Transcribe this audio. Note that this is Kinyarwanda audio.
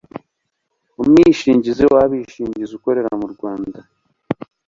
umwishingizi w abishingizi ukorera murwanda